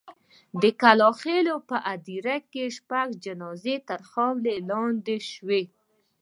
د کلا خېلو په هدیره کې شپږ جنازې تر خاورو لاندې شوې.